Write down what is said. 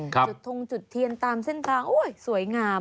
จุดทงจุดเทียนตามเส้นทางโอ้ยสวยงาม